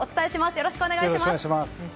よろしくお願いします。